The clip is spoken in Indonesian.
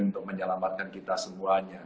untuk menyelamatkan kita semuanya